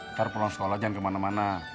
ntar pulang sekolah jangan kemana mana